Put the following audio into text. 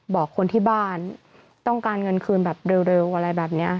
บอกคนที่บ้านต้องการเงินคืนแบบเร็วอะไรแบบนี้